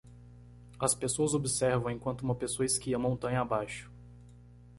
As pessoas observam enquanto uma pessoa esquia montanha abaixo.